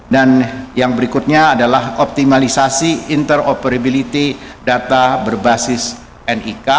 dan yang berikutnya adalah optimalisasi interoperability data berbasis nik